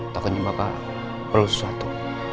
takutnya pak perlu sesuatu